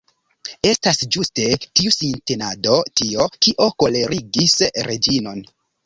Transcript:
Estas ĝuste tiu sintenado tio, kio kolerigis Reĝinon.